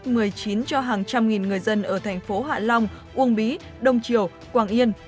covid một mươi chín cho hàng trăm nghìn người dân ở thành phố hạ long uông bí đông triều quảng yên